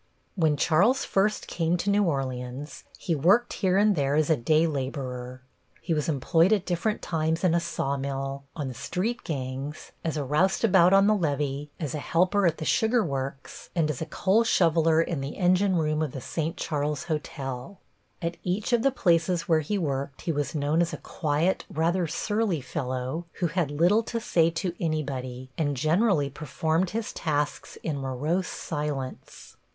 When Charles first came to New Orleans he worked here and there as a day laborer. He was employed at different times in a sawmill, on the street gangs, as a roustabout on the levee, as a helper at the sugar works and as a coal shoveler in the engine room of the St. Charles Hotel. At each of the places where he worked he was known as a quiet, rather surly fellow, who had little to say to anybody, and generally performed his tasks in morose silence.